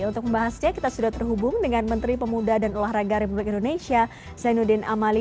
untuk membahasnya kita sudah terhubung dengan menteri pemuda dan olahraga republik indonesia zainuddin amali